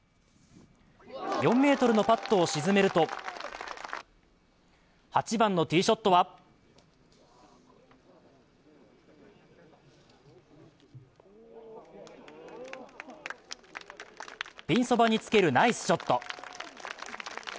４ｍのパットを沈めると８番のティーショットはピンそばにつけるナイスショット。